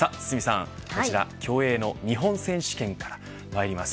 こちら競泳の日本選手権からまいります。